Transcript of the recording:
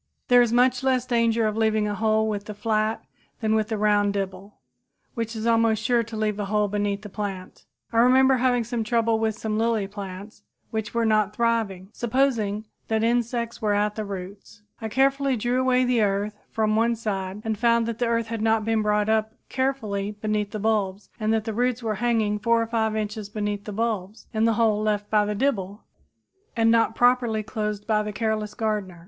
There is much less danger of leaving a hole with the flat than with the round dibble, which is almost sure to leave a hole beneath the plant. I remember having trouble with some lily plants which were not thriving. Supposing that insects were at the roots, I carefully drew the earth away from one side, and found that the earth had not been brought up carefully beneath the bulbs and that the roots were hanging 4 or 5 inches beneath the bulbs in the hole left by the dibble and not properly closed by the careless gardener.